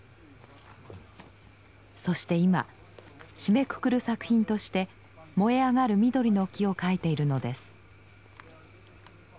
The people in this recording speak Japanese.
そして今締めくくる作品として「燃えあがる緑の木」を書いているのです。